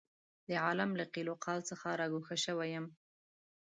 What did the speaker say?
د عالم له قیل او قال څخه را ګوښه شوی یم.